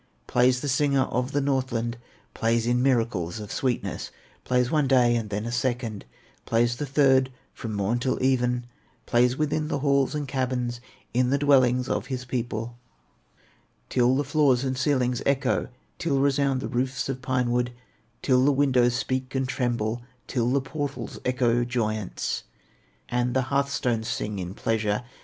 Plays the singer of the Northland, Plays in miracles of sweetness, Plays one day, and then a second, Plays the third from morn till even; Plays within the halls and cabins, In the dwellings of his people, Till the floors and ceilings echo, Till resound the roofs of pine wood, Till the windows speak and tremble, Till the portals echo joyance, And the hearth stones sing in pleasure.